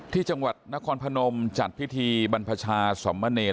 ที่จังหวัดนครพนมจัดพิธีบรรพชาสมเนร